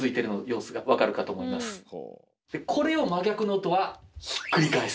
これを「真逆の音」はひっくり返す。